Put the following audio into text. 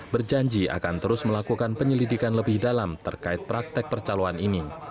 berjanji akan terus melakukan penyelidikan lebih dalam terkait praktek percaloan ini